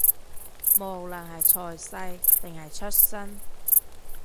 無論係財勢，定係出身